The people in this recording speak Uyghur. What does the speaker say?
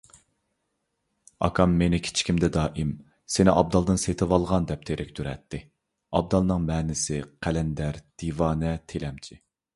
ئاكام مېنى كىچىكىمدە دائىم «سېنى ئابدالدىن سېتىۋالغان» دەپ تېرىكتۈرەتتى. ئابدالنىڭ مەنىسى: قەلەندەر، دىۋانە، تىلەمچى.